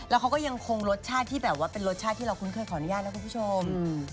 แล้วเขาก็ยังคงรสชาติที่แบบว่าเป็นรสชาติที่เราคุ้นเคยขออนุญาตนะคุณผู้ชม